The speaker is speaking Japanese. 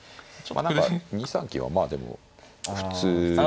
何か２三金はまあでも普通ですよね。